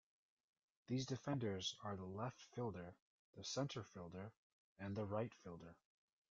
These defenders are the left fielder, the center fielder, and the right fielder.